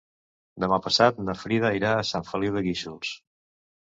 Demà passat na Frida irà a Sant Feliu de Guíxols.